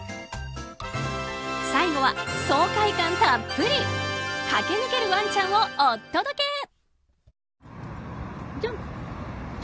最後は爽快感たっぷり駆け抜けるワンちゃんをお届け。